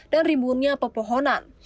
dan rimbunnya pepohonan